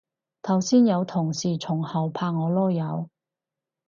頭先有同事從後拍我籮柚